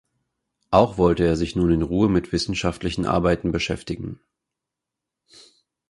Auch wollte er sich nun in Ruhe mit wissenschaftlichen Arbeiten beschäftigen.